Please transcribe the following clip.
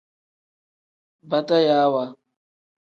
Batayaawa.